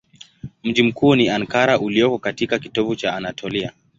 Mji mkuu ni Ankara ulioko katika kitovu cha Anatolia.